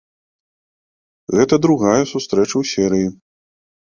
Гэта другая сустрэча ў серыі.